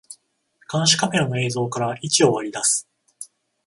監視カメラの映像から位置を割り出す